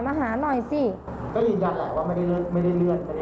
มาหาหน่อยสิก็ยืนยันแหละว่าไม่ได้เลือกไม่ได้เลื่อนไม่ได้